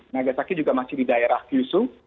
nagasaki juga masih di daerah kyusu